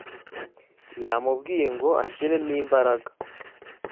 yamubwiye ngo ashiremo imbaraga